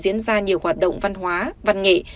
diễn ra nhiều hoạt động văn hóa văn nghệ